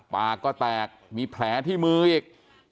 ปากก็แตกมีแผลที่มืออีก